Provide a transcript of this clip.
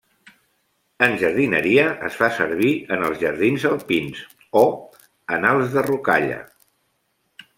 En jardineria es fa servir en els jardins alpins o en els de rocalla.